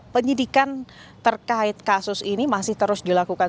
penyidikan terkait kasus ini masih terus dilakukan